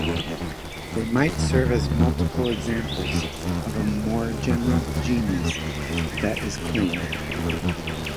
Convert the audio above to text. They might serve as multiple examples of a more general "genus" that is claimed.